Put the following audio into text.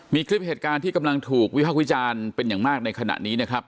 มีคลิปเหตุการณ์ที่กำลังถูกวิภาควิจารณ์เป็นอย่างมากในขณะนี้นะครับ